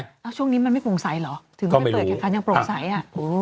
แล้วช่วงนี้มันไม่โปร่งใสเหรอถึงไปเปิดแข่งขันยังโปร่งใสอ่ะ